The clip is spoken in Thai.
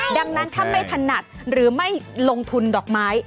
ดังนั้นถ้าไม่ถนัดหรือไม่ลงทุนดอกไม้